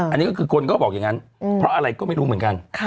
อันนี้ก็คือคนก็บอกอย่างนั้นเพราะอะไรก็ไม่รู้เหมือนกัน